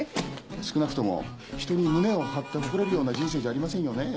少なくとも人に胸を張って誇れるような人生じゃありませんよねぇ？